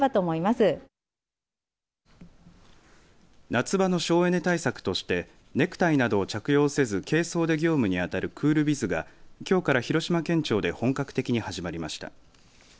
夏場の省エネ対策としてネクタイなどを着用せず軽装で業務にあたるクールビズがきょうから広島県庁で本格的に始まりました。